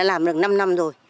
làm được năm năm rồi